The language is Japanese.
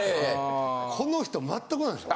この人全くないでしょ。